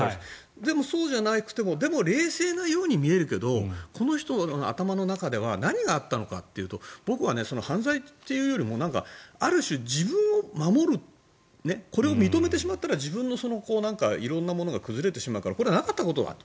でも、そうじゃなくても冷静なように見えるけどこの人の頭の中では何があったかというと僕は犯罪というよりもある種、自分を守るこれを認めてしまったら自分の色んなものが崩れてしまうからこれはなかったことだと。